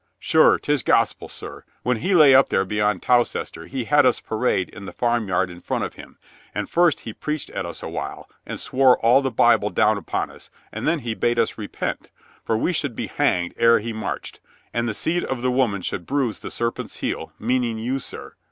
"Sure, 'tis gospel, sir. When he lay up there beyond Towcester he had us parade in the farm yard in front of him, and first he preached at us a while, and swore all the Bible down upon us, and then he bade us repent, for we should be hanged ere he marched, and the seed of the woman should bruise the serpent's heel, meaning you, sir.